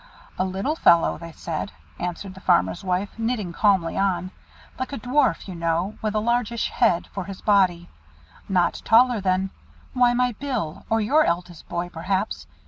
"A little fellow, they said," answered the Farmer's wife, knitting calmly on. "Like a dwarf, you know, with a largish head for his body. Not taller than why, my Bill, or your eldest boy, perhaps.